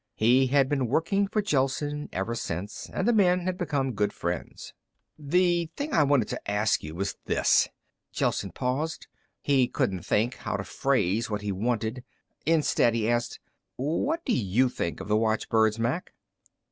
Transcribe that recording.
He had been working for Gelsen ever since, and the men had become good friends. "The thing I wanted to ask you was this " Gelsen paused. He couldn't think how to phrase what he wanted. Instead he asked, "What do you think of the watchbirds, Mac?"